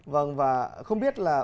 và không biết là